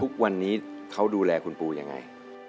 ทุกวันนี้เขาดูแลคุณปูยังไง